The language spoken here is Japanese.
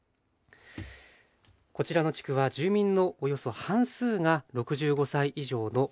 こちらの地区は住民のおよそ半数が６５歳以上の高齢者。